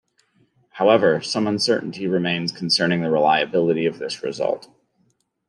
However, some uncertainty remains concerning the reliability of this result.